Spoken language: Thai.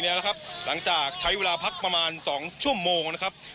หลังจากใช้เวลาพักประมาณ๒ชั่วโมงนะครับ